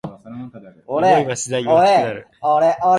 想いは次第に大きくなる